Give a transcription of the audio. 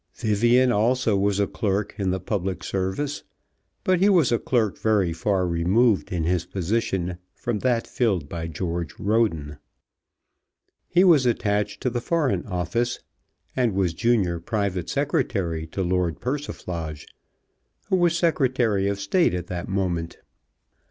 Vivian also was a clerk in the public service, but he was a clerk very far removed in his position from that filled by George Roden. He was attached to the Foreign Office, and was Junior Private Secretary to Lord Persiflage, who was Secretary of State at that moment.